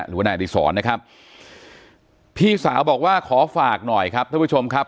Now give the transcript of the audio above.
หรือว่านายอดีศรนะครับพี่สาวบอกว่าขอฝากหน่อยครับท่านผู้ชมครับ